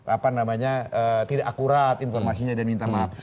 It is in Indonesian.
apa namanya tidak akurat informasinya dan minta maaf